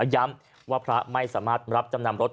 ย้ำว่าพระไม่สามารถรับจำนำรถ